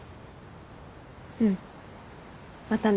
うんまたね。